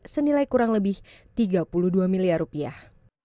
senilai kurang lebih tiga puluh dua miliar rupiah